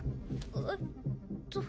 えっと。